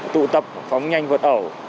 tụ tập phóng nhanh vật ẩu